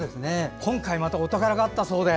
今回またお宝があったそうで。